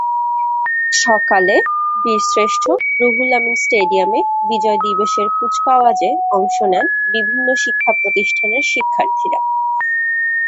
সকালে বীরশ্রেষ্ঠ রুহুল আমিন স্টেডিয়ামে বিজয় দিবসের কুচকাওয়াজে অংশ নেন বিভিন্ন শিক্ষাপ্রতিষ্ঠানের শিক্ষার্থীরা।